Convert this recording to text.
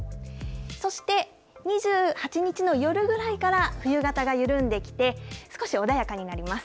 そして、２８日の夜ぐらいから冬型が緩んできて、少し穏やかになります。